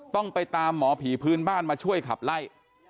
ต้องไปตามหมอผีพื้นบ้านมาช่วยขับไล่